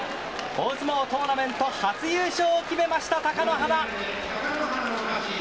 大相撲トーナメント初優勝を決めました、貴乃花。